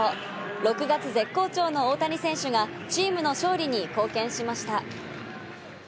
６月絶好調の大谷選手がチームの勝利に貢献しました。